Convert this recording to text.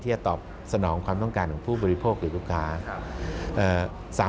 จะตอบสนองความต้องการของผู้บริโภคหรือลูกค้า